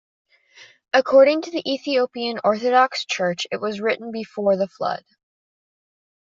According to the Ethiopian Orthodox Church it was written before the Flood.